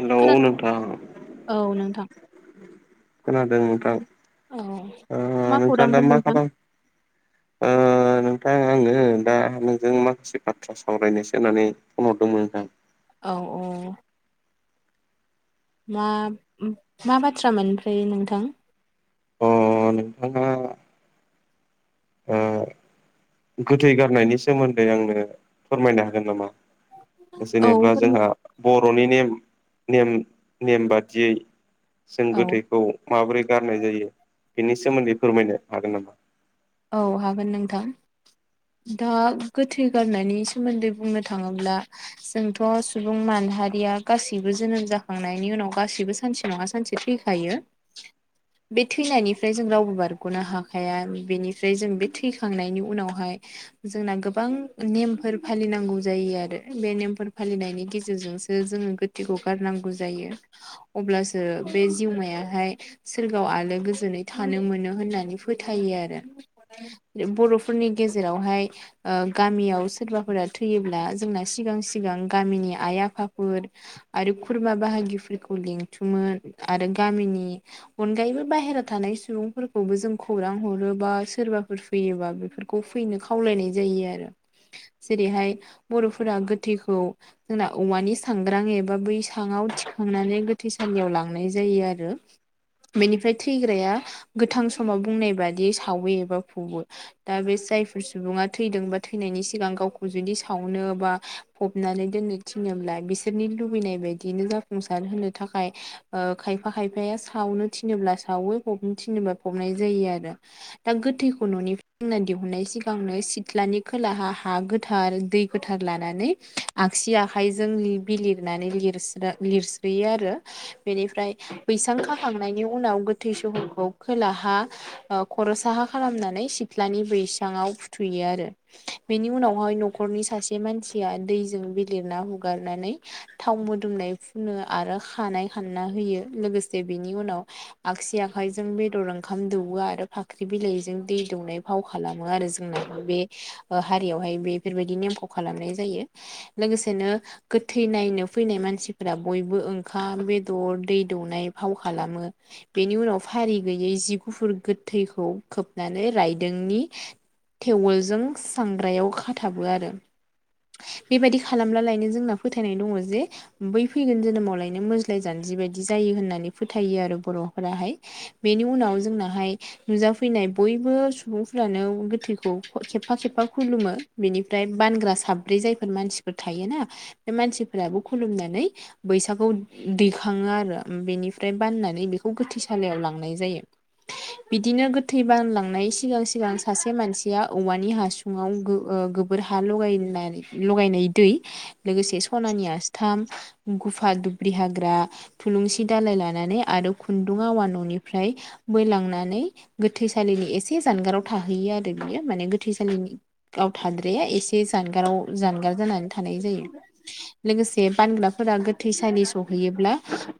Hello नोंथां खोनादों औ नोंथां खोनादों नोंथां औ नोंथां। मा नोंथाङ दा खौरांमोन मा नोंथां? खालाम ओ नोंथां आङो दा नोंजों माखासे बाथ्रा सावरायनोसो होननानै फन हरदोंमोन नोंथां। औ औ। मा मा बाथ्रामोन ओमफ्राय नोंथां? अ नोंथाङा ओ। गोथै गारनायनि सोमोन्दै आंनो फोरमायनो हागोन नामा? औ जेनेबा फोरमाय जोंहा बर'नि नेम नेम नेम बादियै जों औ गोथैखौ माबोरै गारनाय जायो बेनि सोमोन्दै फोरमायनो हागोन नामा? औ हागोन नोंथां। दा गोथै गारनायनि सोमोन्दै बुंनो थाङोब्ला। जोंथ' सुबुं माहारिया गासैबो जोनोम जाखांनायनि उनाव गासैबो सानसे नङा सानसे थैखायो। [inaudible] बे थैनायनिफ्राय जों रावबो बारग'नो हाखाया। बेनि ओमफ्राय जों बे थैखांनायनि उनावहाय जोंना गोबां नेमफोर फालिनांगौ जायो आरो बे नेमफोर फालिनायनि गेजेरजोंसो ओ जों गोथैखौ गारनांगौ जायो अब्लासो बे जिउमायाहाय सोरगोाव आलो गोजोनै थानो मोनो होननानै फोथायो आरो बर'फोरनि गेजेरावहाय ओ गामियाव सोरबाफोरा थैयोब्ला जोंना सिगां सिगां गामिनि आइ आफाफोर आरो खुरमा बाहागिफोरखौ लिंथुमो आरो गामिनि अनगायैबो बाहेरायाव थानाय सुबुंफोरखौबो जों खौरां हरोबा सोरबाफोर फैयोबा बेफोरखौ फैनो खावलायनाय जायो आरो जेरैहाय बर'फोरा गोथैखौ जोंना औवानि सांग्रां एबा बैसाङाव थिखांनानै गोथैसालियाव लांनाय जायो आरो बेनिफ्राय थैग्राया गोथां समाव बुंनाय बादि सावो एबा फबो। दा बे जायफोर सुबुङा थैदों बा थैनायनि सिगां गावखौ जुदि सावनो बा फबनानै दोननो थिनोब्ला बिसोरनि लुबैनाय बायदिनो जाफुंसार होनो थाखाय ओ खायफा खायफाया सावनो थिनोब्ला सावो फबनो थिनोब्ला फबनाय जायो आरो दा गोथैखौ न'निफ्राय जोंना दिहुननाय सिगांनो सिथ्लानि खोलाहा हा गोथार दै गोथार लानानै आगसि आखाइजों लि बिलिरनानै लिर लिरस्रोयो आरो बेनिफ्राय बैसां खाखांनायनि उनाव गोथै सहखौ खोलाहा ओ खर'सा खालामनानै सिथ्लानि बैसाङाव फुथुयो आरो बेनि उनावहाय न'खरनि सासे मानसिया दैजों बिलिरना हुगारनानै थाव मोदोमनाय फुनो आरो खानाय खानना होयो लोगोसे बेनि उनाव आगसि आखायजों बेदर ओंखाम दौवो आरो फा फाख्रि बिलाइजों दै दौनाय फाव खालामो आरो जोंना बे हारियावहाय बे बेफोरबायदि नेमखौ खालामनाय जायो। लोगोसेनो गोथै नायनो फैनाय मानसिफोरा बयबो ओंखाम बेदर दै दौनाय फाव खालामो। बेनि उनाव फारि गैयै जि गुफुर गोथैखौ खोबनानै रायदोंनि टेवलजों सांग्रायाव खाथाबो आरो बेबायदि खालामब्लालायनो जोंना फोथायनाय दङ जे बै फैगोन जोनोमावलायनो मोज्लाय जानजि बायदि जायो होननानै फोथायो आरो बर'फोराहाय। बेनि उनाव जोंनाहाय नुजाफैनाय बयबो सुबुंफ्रानो गोथैखौ खेबफा खेबफा खुलुमो। बिनिफ्राय बानग्रा साब्रै जायफोर मानसिफोर थायोना बे मानसिफोराबो खुलुमनानै बैसाखौ दैखाङो आरो बेनिफ्राय बाननानै बेखौ गोथैसालियाव लांनाय जायो। बिदिनो गोथै बानलांनाय सिगां-सिगां सासे मानसिया औवानि हासुङाव गो ओ गोबोर हा लगायनानै लगायनाय दै। लोगोसे सनानि आस्थाम, गुफा, दुब्रि हाग्रा थुलुंसि दालाय लानानै आरो खुन्दुं आवा न'निफ्राय बोलांनानै नानै गोथैसालिनि एसे जानगाराव थाहैयो आरो बियो माने गोथैसालिनि गाव थाद्राया एसे जानगाराव जानगार जानानै थानाय जायो। लोगोसे बानग्राफोरा गोथै सालि सहैयोब्ला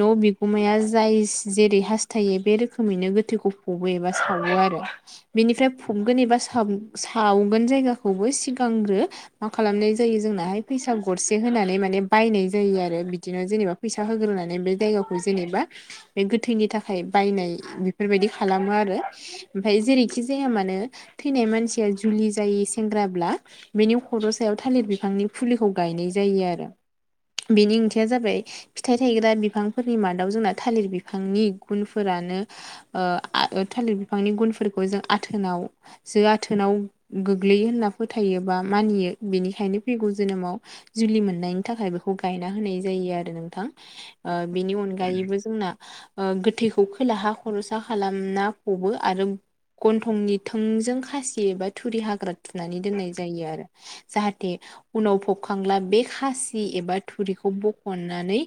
न' बिगुमाया जायसे जेरै हास्थायो बे रोखोमैनो गोथैखौ फबो एबा सावो आरो बेनिफ्राय फबगोन एबा साव-सावगोन जायगाखौबो सिगांग्रो मा खालामनाय जायो जोंनाहाय फैसा गरसे होनानै माने बायनाय जायो आरो बिदिनो जेनेबा फैसा होग्रोनानै बे जायगाखौ जेनेबा बे गोथैनि थाखाय बायनाय बेफोरबायदि खालामो आरो ओमफ्राय जेरैखि जाया मानो थैनाय मानसिया जुलि जायै सेंग्राब्ला बेनि खर' सायाव थालिर बिफांनि फुलिखौ गायनाय जायो आरो। बेनि ओंथिया जाबाय फिथाइ थायग्रा बिफांफोरनि मादाव जोंना थालिर बिफांनि गुनफोरानो ओ आ थालिर बिफांनि गुनफोरखौ जों आथोनाव जो आथोनाव गोग्लैयो होनना फोथायो, बा मानियो, बेनिखायनो फैगौ जोनोमाव जुलि मोननायनि थाखाय बेखौ गायना होनाय जायो आरो नोंथां। ओ बेनि अनगायैबो जोंना ओ गोथैखौ खोलाहा खरसा ना खालामना फबो आरो गन्थंनि थोंजों खासि एबा थुरि हाग्रा थुनानै दोननाय जायो आरो जाहाथे उनाव फबखांब्ला बे खासि एबा थुरिखौ बखनानै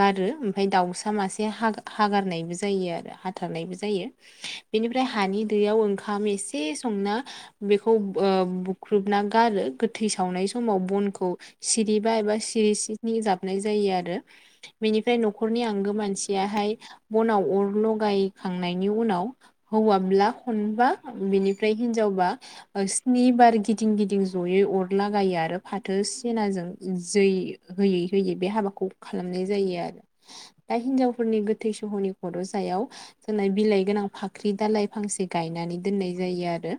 गारो ओमफाय दाउसा मासे हा-हागारनायबो जायो आरो हा थानायबो जायो बेनिफ्राय हानि दैयाव ओंखाम एसे संना बेखौ ओ बुख्रुबना गारो गोथै सावनाय समाव बनखौ सिरिबा एबा सिरि सिनि जाबनाय जायो आरो बेनिफ्राय न'खरनि आंगो मानसियाहाय बनाव अर लगाय खांनायनि उनाव हौवाब्ला खनबा बेनिफ्राय हिनजावबा ओ स्नि बार गिदिं गिदिं जयै अरलागायो आरो फाथो सेनाजों जै होयै होयै बे हाबाखौ खालामनाय जायो आरो दा हिनजावफोरनि गोथै सहनि खर' जायाव जानाय बिलाइ गोनां फाख्रि दालइ फांसे गायनानै दोननाय जायो आरो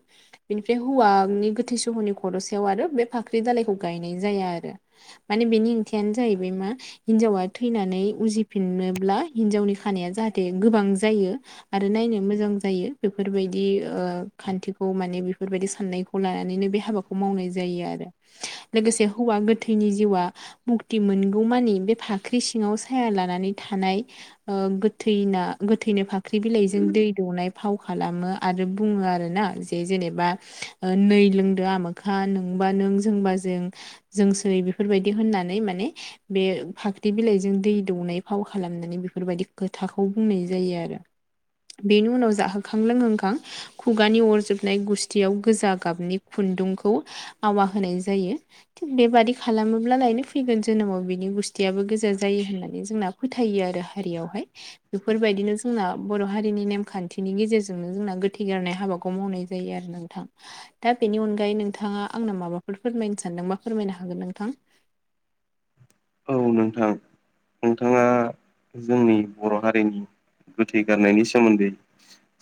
बेनिफ्राय हौवानि गोथै सहनि खर' सायाव आरो बे फाख्रि दालाायखौ गायनाय जाया आरो माने बेनि ओंथियानो जाहैबाय मा हिनजावा थैनानै उजिफिनोब्ला, हिनजावनि खानाया जाहाथे गोबां जायो। आरो नायनो मोजां जायो बेफोरबायदि ओ खान्थिखौ माने, बेफोरबायदि साननाय खौ लानानैनो बे हाबाखौ मावनाय जायो आरो लोगोसे हौवा गोथैनि जिउआ मुक्ति मोनगौमानि बे फाख्रि सिङाव साया लानानै थानाय ओ गोथैना गोथैनो फाख्रि बिलाइजों दै दौनाय फाव खालामो आरो बुङो आरो ना जे जेनेबा ओ नै लोंदो आमोखा नोंबा नों जोंबा जों जोंसै बेफोरबायदि होननानै माने बे फाख्रि बिलाइजों दै दौनाय फाव खालामनानै बेफोरबायदि खोथाखौ बुंनाय जायो आरो बेनि उनाव जाहोखां लोंहोखां खुगानि अरजोबनाय गुस्थियाव गोजा गाबनि खुन्दुंखौ आवा होनाय जायो। थिग बेबादि खालामोब्ला लायनो फैगोन जोनोमाव बिनि गुस्थियाबो गोजा जायो होननानै जोंना फोथायो आरो हारियावहाय बेफोरबायदिनो जोंना बर' हारिनि नेमखान्थिनि गेजेरजोंनो जोंना गोथै गारनाय हाबाखौ मावनाय जायो आरो नोंथां। दा बेनि अनगायै नोंथांङा आंनो माबाफोर फोरमायनो सानदोंबा फोरमायनो हागोन नोंथां। औ नोंथां। नोंथांङा जोंनि बर' हारिनि गोथै गारनायनि सोमोन्दै।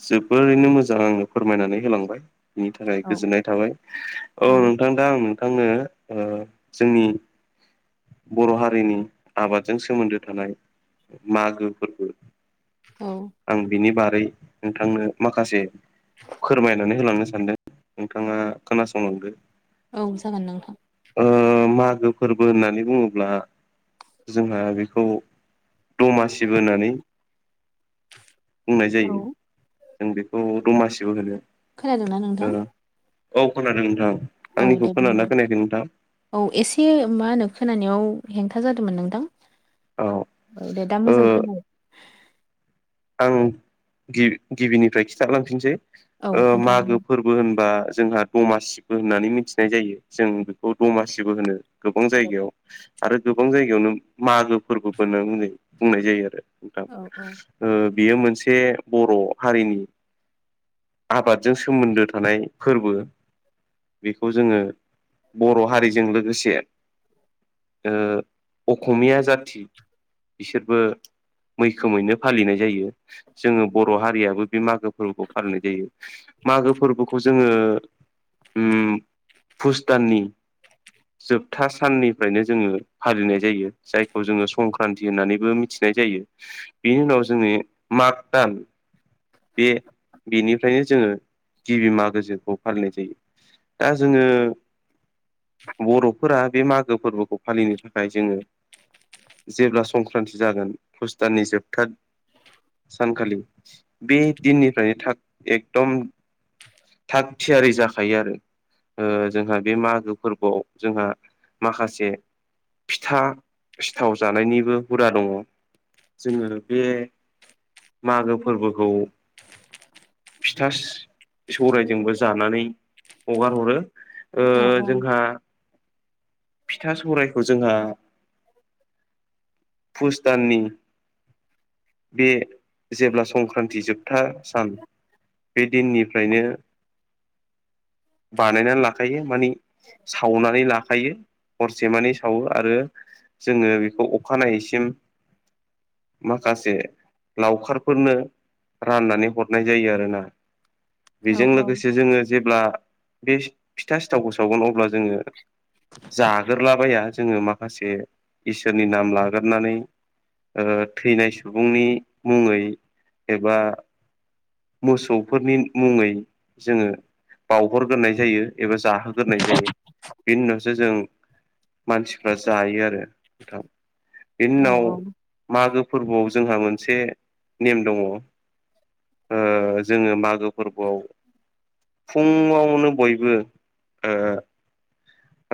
जोबोरैनो मोजां आंनो फोरमायनानै होलांबाय। बिनि थाखाय औ गोजोननाय थाबाय औ नोंथां दा आं नोंथांनो ओ जोंनि बर' हारिनि आबादजों सोमोन्दो थानाय मागो फोरबो औ। आं बिनि बारै नोंथांनो माखासे फोरमायनानै होलांनो सानदों नोंथांङा खोनासंलांदो। औ जागोन नोंथां। ओ मागो फोर्बो होननानै बुङोब्ला जोंहा बेखौ दमासिबो होननानै बुंनाय जायो औ जों बेखौ दमासिबो होनो। खोनादोंना ओ नोंथां। औ खोनादों नोंथां। औ आंनिखौ दे खोनादोंना बुंलाय खोनायाखै नोंथां औ एसे मा होनो खोनानायाव हेंथा जादोंमोन नोंथां। औ औ दे दा ओ मोजां खोनाबाय। आं गि-गिबिनिफ्राय खिथा लांफिननोसै औ ओ खोन्थादों मागो फोर बो होनबा जोंहा दमासिबो होननानै मिथिनाय जायो जों बेखौ दमासिबो होनो। गोबां जायगायाव आरो गोबां जायगायावनो मागो फोर्बो होननानैै बुंनाय बुंनाय जायो आरो नोंथां। औ औ। ओ बियो मोनसे बर' हारिनि आबादजों सोमोन्दो थानाय फोर्बो। बेखौ जोंङो बर' हारिजों लोगोसे ओ अखमिया जाती बिसोरबो मैखोमैनो फालिनाय जायो। जोंङो बर' हारियाबो बे मागो फोर्बोखौ फालिनाय जायो। मागो फोर्बोखौ जोङो ‌उम पुष दाननि जोबथा साननिफ्रायनो जोङो फालिनाय जायो। जायखौ जोंङो संक्रान्ति होननानैबो मिथिनाय जायो। बिनि उनाव जोङो माग दान। बे बेनिफ्रायनो जोंङो गिबि मागो जेखौ फालिनाय जायो। दा जोङो बर'फोरा बे मागो फोर्बोखौ फालिनो थाखाय जोङो जेब्ला संक्रान्ति जागोन पुष दाननि जोबथा सानखालि बे दिननिफ्रायनो थाग एकदम थाग थियारि जाखायो आरो। ओ जोंहा बे मागो फोर्बोआव जोंहा माखासे फिथा सिथाव जानायनिबो हुदा दंङ। जोङो बे मागो फोर्बोखौ फिथा सौरायजोंबो जानानै हगार हरो। औ ओ जोंहा फिथा सौरायखौ जोंहा पुष दाननि बे जेब्ला संक्रान्ति जोबथा सान बे दिननिफ्रायनो बानायनानै लाखायो माने सावनानै लाखायो। हरसेमानि सावो आरो जोंङो बेखौ अखानायैसिम माखासे लावखारफोरनो राननानै हरनाय जायो आरोना। औ बेजों औ लोगोसे जोङो जेब्ला बे फिथा सिथावखौ सावगोन अब्ला जोङो जागोरलाबाया जोङो माखासे इसोरनि नाम लागोरनानै ओ थैनाय सुबुंनि मुङै एबा मोसौफोरनि मुङै जोङो बावहरगोरनाय जायो। एबा जाहोगोरनाय जायो बेनि उनावसो जों मानसिफ्रा जायो आरो। [unintelligible] बेनि औ उनाव औ। मागो फोर्बोआव जोंहा मोनसे नेम दङ ओ जोङो मागो फोर्बोआव फुङावनो बयबो ओ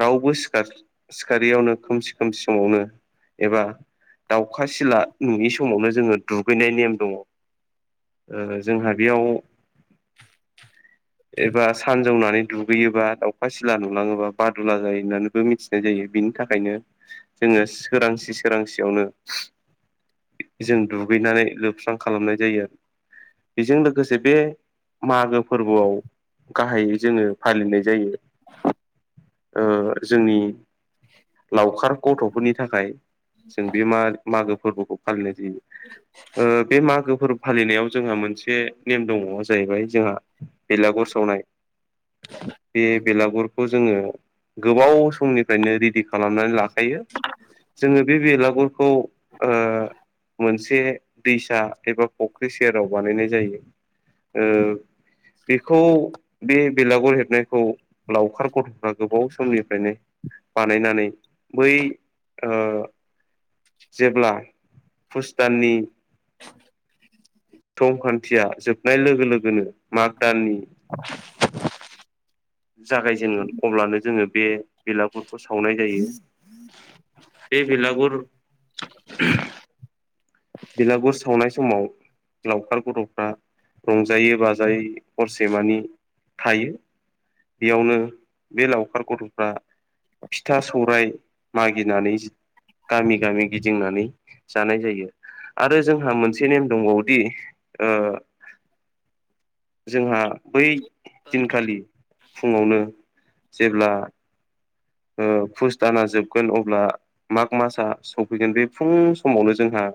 रावबो सिखारयावनो खोम सि खोम समावनो एबा दाउखा सिला नुयि समावनो जोङो दुगैनाय नेम दङ। जोंहा बेयाव एबा सानजौनानै दुगैयोबा दाखा सिला नुलाङोबा दुला जायो होननानैबो मिथिनाय जायो बिनि थाखायनो जोङो सोरांसि सोरांसियावनो। जों दुगैनानै लोबस्रां खालामनाय जायो आरो। बेजों लोगोसे बे मागो फोर्बोआव गाहायै जोङो फालिनाय जायो। ओ जोंनि लावखार गथ'फोरनि थाखाय जों बे मा-मागो फोर्बोखौ फालिनाय जायो। ओ बे मागो फोरबो फालिनायाव जोंहा मोनसे नेम दङ जाहैबाय जोंहा बेलागर सावनाय। बे बेलागुरखौ जोङो गोबाव समनिफ्रायनो रेडि खालामनानै लाखायो। जोङो बे बेलागुरखौ ओ मोनसे दैसा एबा फुख्रि सेराव बानायनाय जायो ओ बेखौ बे बेलागुर हेबनायखौ लावखार गथ'फ्रा गोबाव समनिफ्रायनो बानायनानै बै ओ जेब्ला फुस दाननि [inaudible] समखान्थिया जोबनाय लोगो लोगोनो माग दाननि जागायजेनगोन अब्लानो जोङो बे बेलागुरखौ सावनाय जायो बे बेलागुर बिलागुर सावनाय समाव लावखार गथ'फ्रा रंजायै बाजायै हरसे मानि थायो। बेयावनो बे लावखार गथ'फ्रा फिथा सौराय मागिनानै गामि गामि गिदिंनानै जानाय जायो। आरो जोंहा मोनसे नेम दंबावोदि ओ जोंहा बै दिनखालि फुङावनो जेब्ला पुस दाना जोबगोन अब्ला माग मासआ सफैगोन बे फुं समावनो जोंहा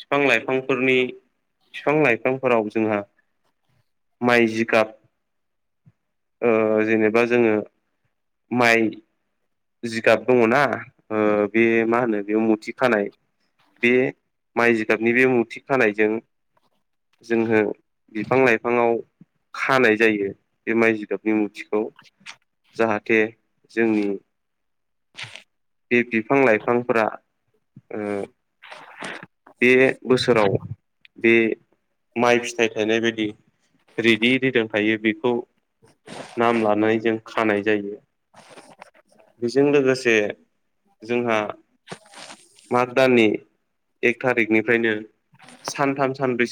बिफां लाइफांफोरनि बिफां लाइफांफोराव जोंहा माइ जिगाब जेनेबा जोङो माइ जिगाब दङनाा बे मा होनो बे मुथि खानाय बे माइ जिगाबनि बे मुरथि खानायजों जोङो बिफां लाइफाङाव खानाय जायो बे माइ जिगाबनि मुथिखौ जाहाथे जोंनि बे बिफां लाइफांफोरा ओ बे बोसोराव बे माइ फिथाइ थायनाय बायदि रेदि रिदां थायो बेखौ नाम लानानै जों खानाय जायो बेजों लोगोसे जोंहा माग दाननि एक थारिकनिफ्रायनो सानथाम सानब्रै